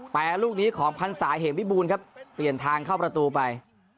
แปลลูกนี้ของพันธุ์สายเหงวิบูลครับเปลี่ยนทางเข้าประตูไป